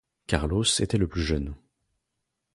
Carlos était le plus jeune.